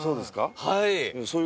はい。